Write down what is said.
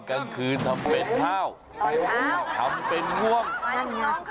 กลางคืนทำเป็นเฮ่าทำเป็นง่วง